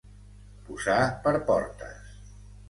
Posar per portes.